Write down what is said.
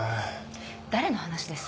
誰の話です？